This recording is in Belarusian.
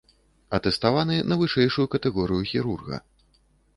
Атэставаны на вышэйшую катэгорыю хірурга.